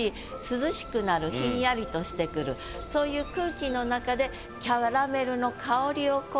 ひんやりとしてくるそういう空気の中で。